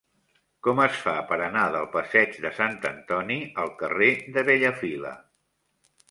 Com es fa per anar del passeig de Sant Antoni al carrer de Bellafila?